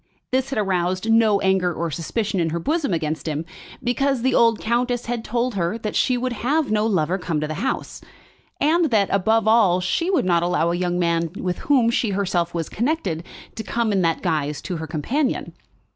This had aroused no anger or suspicion in her bosom against him, because the old countess had told her that she would have no lover come to the house, and that, above all, she would not allow a young man with whom she herself was connected to come in that guise to her companion.